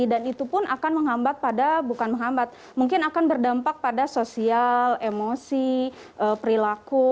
dan itu pun akan menghambat pada bukan menghambat mungkin akan berdampak pada sosial emosi perilaku